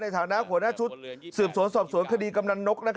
ฐานะหัวหน้าชุดสืบสวนสอบสวนคดีกำนันนก